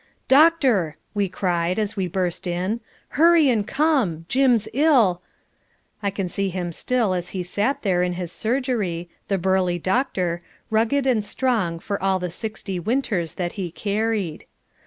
"Doctor," we cried, as we burst in, "hurry and come. Jim's ill " I can see him still as he sat there in his surgery, the burly doctor, rugged and strong for all the sixty winters that he carried.